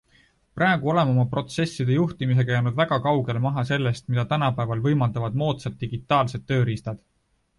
Praegu oleme oma protsesside juhtimisega jäänud väga kaugele maha sellest, mida tänapäeval võimaldavad moodsad digitaalsed tööriistad.